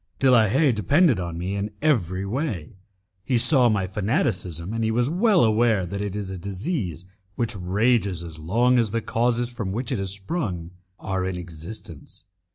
De la Haye depended on me in every way; he saw my fanaticism, and he was well aware that it is a disease which rages as long as the causes from which it has sprung are in existence.